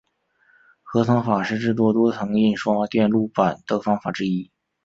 积层法是制作多层印刷电路板的方法之一。